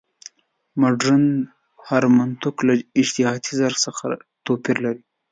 مډرن هرمنوتیک له اجتهادي درک څخه توپیر لري.